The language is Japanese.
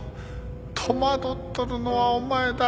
戸惑っとるのはお前だ。